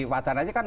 wacar aja kan